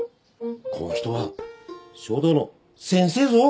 こん人は書道の先生ぞ。